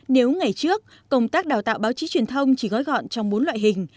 nếu ngày trước công tác đào tạo báo chí truyền thông chỉ gói gọn trong bốn loại hình